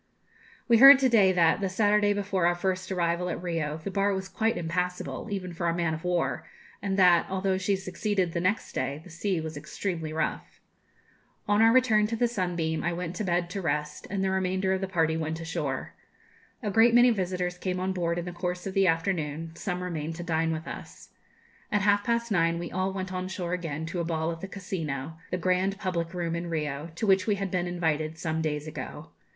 We heard to day that, the Saturday before our first arrival at Rio, the bar was quite impassable, even for a man of war, and that, although she succeeded the next day, the sea was extremely rough. On our return to the 'Sunbeam,' I went to bed to rest, and the remainder of the party went ashore. A great many visitors came on board in the course of the afternoon; some remained to dine with us. At half past nine we all went on shore again to a ball at the Casino, the grand public room in Rio, to which we had been invited some days ago.